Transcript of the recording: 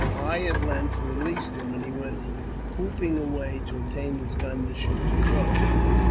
I at length released him, and he went whooping away, to obtain his gun to shoot the Crow.